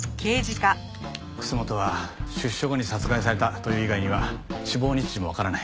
楠本は出所後に殺害されたという以外には死亡日時もわからない。